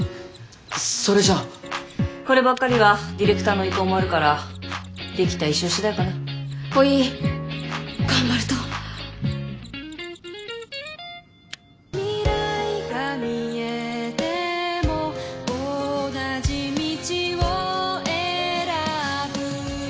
それじゃこればっかりはディレクターの意向もあるからできた衣装次第かなおい頑張ると未来が見えても同じ道を選ぶよ